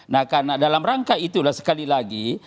nah karena dalam rangka itulah sekali lagi